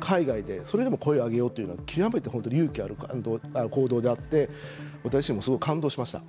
海外でそれでも声を上げようというのは極めて本当に勇気ある行動であって私もすごく感動しました。